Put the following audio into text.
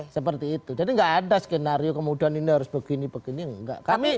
seperti itu jadi nggak ada skenario kemudian ini harus begini begini